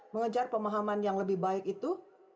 mengejar pemahaman yang lebih baik itu